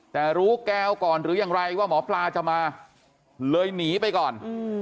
แต่รู้แก้วก่อนหรือยังไรว่าหมอปลาจะมาเลยหนีไปก่อน